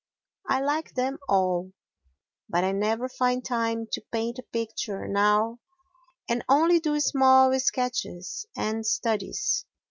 I like them all; but I never find time to paint a picture now and only do small sketches and studies.